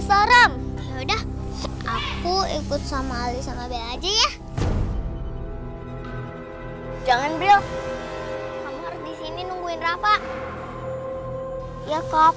ya udah yuk lekat yuk